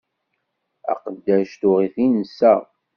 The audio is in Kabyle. Aqeddac tuɣ-it insa.